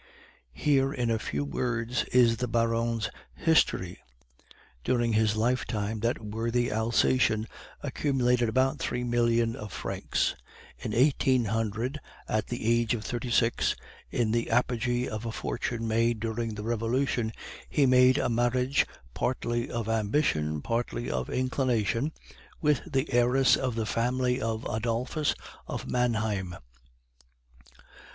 "Here in a few words is the Baron's history. During his lifetime that worthy Alsacien accumulated about three millions of francs. In 1800, at the age of thirty six, in the apogee of a fortune made during the Revolution, he made a marriage partly of ambition, partly of inclination, with the heiress of the family of Adolphus of Manheim.